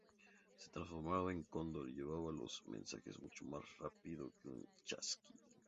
Se transformaba en cóndor y llevaba los mensajes mucho más rápido que un chasqui.